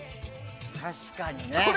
確かにね。